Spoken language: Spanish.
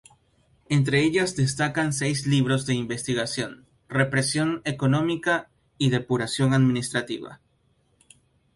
Entre ellas destacan seis libros de investigación: "Represión económica e depuración administrativa.